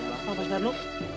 apa pak sarno